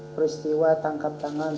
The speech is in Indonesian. peristiwa tangkap tangan